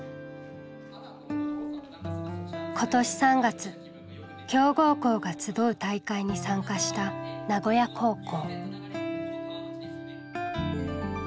今年３月強豪校が集う大会に参加した名古屋高校。